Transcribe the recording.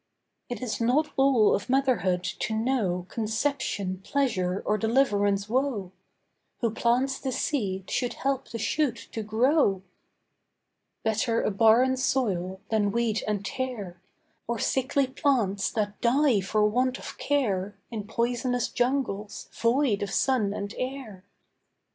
It is not all of Motherhood to know Conception pleasure or deliverance woe. Who plants the seed should help the shoot to grow. Better a barren soil than weed and tare, Or sickly plants that die for want of care In poisonous jungles, void of sun and air.